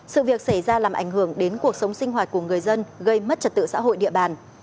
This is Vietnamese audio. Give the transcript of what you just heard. sự việc xảy ra làm ảnh hưởng đến cuộc sống sinh hoạt của người dân gây mất trật tự xã hội địa bàn